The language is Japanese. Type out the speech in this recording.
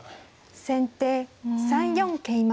先手３四桂馬。